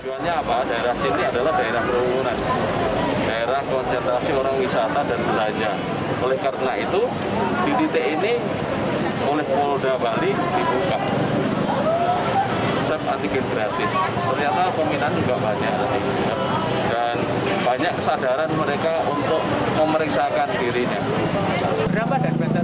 antigen gratis ternyata peminat juga banyak